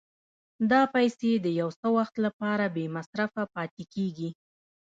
دا پیسې د یو څه وخت لپاره بې مصرفه پاتې کېږي